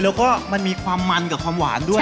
แล้วก็มันมีความมันกับความหวานด้วย